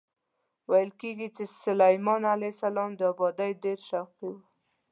ویل کېږي چې سلیمان علیه السلام د ابادۍ ډېر شوقي و.